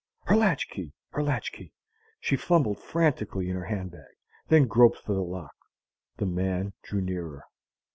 Her latch key! Her latch key! She fumbled frantically in her handbag; then groped for the lock. The man drew nearer.